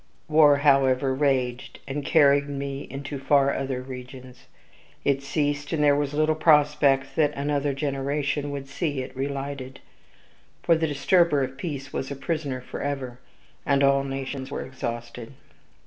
War, however, raged, and carried me into far other regions. It ceased, and there was little prospect that another generation would see it relighted; for the disturber of peace was a prisoner forever, and all nations were exhausted.